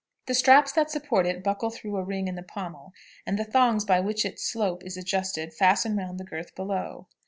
The straps that support it buckle through a ring in the pommel, and the thongs by which its slope is adjusted fasten round the girth below.